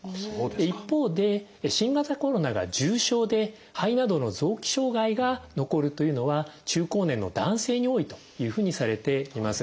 一方で新型コロナが重症で肺などの臓器障害が残るというのは中高年の男性に多いというふうにされています。